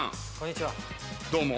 どうも。